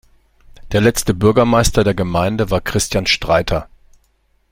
Der letzte Bürgermeister der Gemeinde war Christian Streiter.